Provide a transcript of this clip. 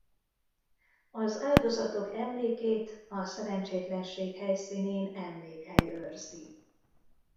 Az áldozatok emlékét a szerencsétlenség helyszínén emlékhely őrzi.